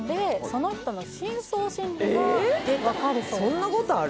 そんなことある？